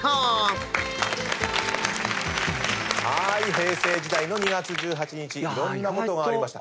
平成時代の２月１８日いろんなことがありました。